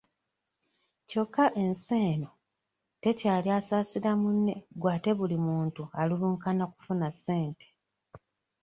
Kyokka ensi eno tekyali asaasira munne gwe ate buli muntu alulunkana kufuna ssente.